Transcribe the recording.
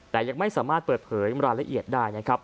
แต่ยังไม่สามารถเปิดเผยรายละเอียดได้นะครับ